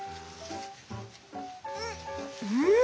うん！